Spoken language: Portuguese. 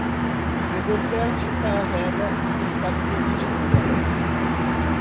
Dezessete carrega significado político no Brasil